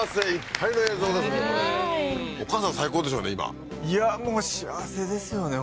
いや